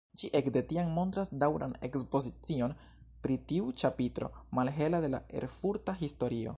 Ĝi ekde tiam montras daŭran ekspozicion pri tiu ĉapitro malhela de la erfurta historio.